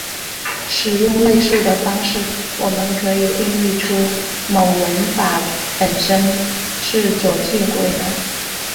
使用类似的方式我们可以定义出某文法本身是左递归的。